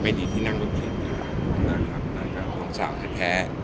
ไม่ดีที่นั่งบนคริสของสาวแท้